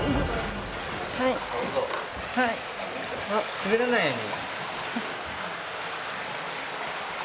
滑らないように。